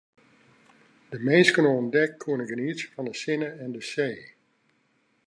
De minsken oan dek koene genietsje fan de sinne en de see.